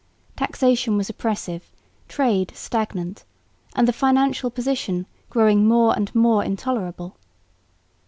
Taxation was oppressive, trade stagnant, and the financial position growing more and more intolerable.